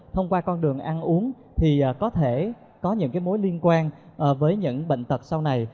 thông qua con đường ăn uống thì có thể có những mối liên quan với những bệnh tật sau này